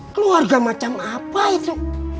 keluarga macam apa itu